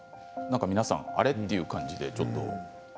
皆さんあれ？という感じですが。